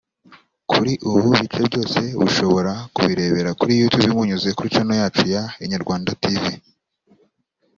Kuri ubu bice byose bushobora kubirebera kuri Youtube munyuze kuri Channel yacu ya Inyarwanda Tv